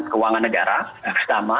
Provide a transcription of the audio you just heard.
keuangan negara yang pertama